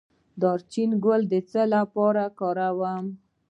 د دارچینی ګل د څه لپاره وکاروم؟